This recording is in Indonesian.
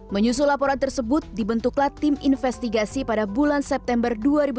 menyusul laporan tersebut dibentuklah tim investigasi pada bulan september dua ribu sembilan belas